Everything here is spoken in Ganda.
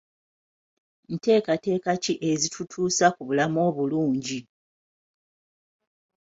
Nteekateeka ki ezitutuusa ku bulamu obulungi?